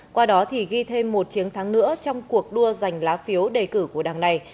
qua đó thì ghi thêm một chiếng thắng nữa trong cuộc đua giành lá phiếu đề cử của đảng này